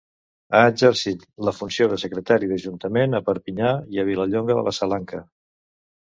Ha exercit la funció de secretari d'ajuntament a Perpinyà i a Vilallonga de la Salanca.